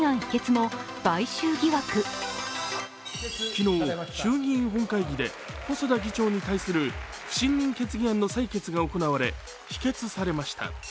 昨日、衆議院本会議で細田議長に対する不信任決議案の採決が行われ否決されました。